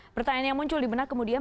pertanyaan yang muncul di benak kemudian